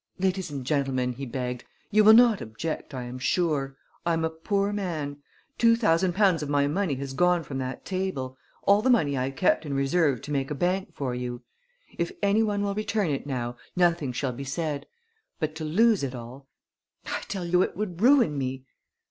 "Ladies and gentlemen," he begged, "you will not object, I am sure. I am a poor man. Two thousand pounds of my money has gone from that table all the money I kept in reserve to make a bank for you. If any one will return it now nothing shall be said. But to lose it all I tell you it would ruin me!"